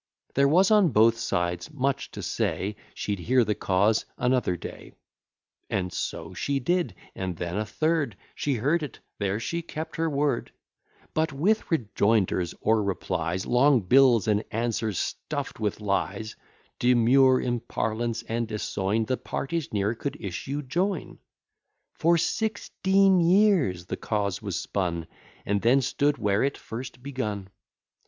There was on both sides much to say: She'd hear the cause another day; And so she did; and then a third; She heard it there she kept her word: But, with rejoinders or replies, Long bills, and answers stuff'd with lies, Demur, imparlance, and essoign, The parties ne'er could issue join: For sixteen years the cause was spun, And then stood where it first begun.